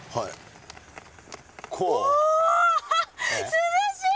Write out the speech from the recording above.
涼しい！